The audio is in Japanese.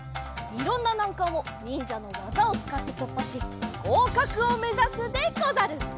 いろんななんかんをにんじゃのわざをつかってとっぱしごうかくをめざすでござる。